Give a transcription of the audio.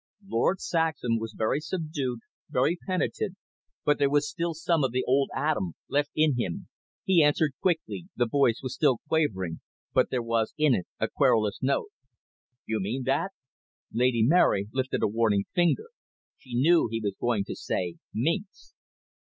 Lord Saxham was very subdued, very penitent, but there was still some of the old Adam left in him. He answered quickly; the voice was still quavering, but there was in it a querulous note. "You mean that " Lady Mary lifted a warning finger; she knew he was going to say "minx."